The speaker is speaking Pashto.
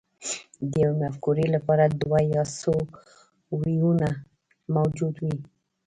د یوې مفکورې لپاره دوه یا څو ویونه موجود وي